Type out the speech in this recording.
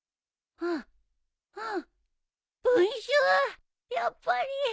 うんうん。